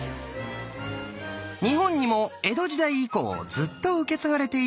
日本にも江戸時代以降ずっと受け継がれている